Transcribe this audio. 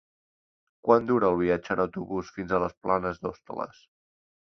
Quant dura el viatge en autobús fins a les Planes d'Hostoles?